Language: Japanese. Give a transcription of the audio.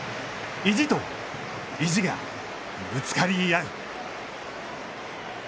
意地と意地がぶつかり合う。